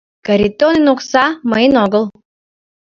Каритонын окса, мыйын огыл.